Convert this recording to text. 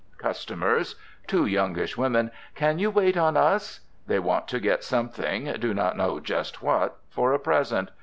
Customers: Two youngish women. "Can you wait on us?" They want to get something, do not know just what, for a present.